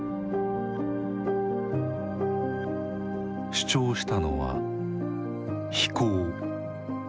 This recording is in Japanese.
主張したのは「非攻」。